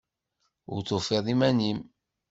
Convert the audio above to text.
Ur tufid iman-nnem.